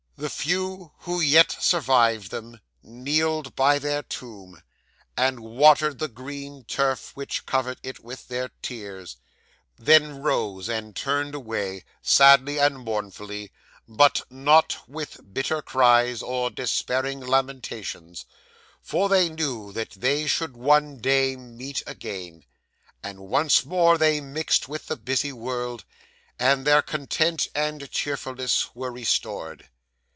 The few who yet survived them, kneeled by their tomb, and watered the green turf which covered it with their tears; then rose, and turned away, sadly and mournfully, but not with bitter cries, or despairing lamentations, for they knew that they should one day meet again; and once more they mixed with the busy world, and their content and cheerfulness were restored.